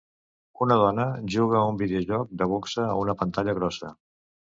Una dona juga a un videojoc de boxa a una pantalla grossa.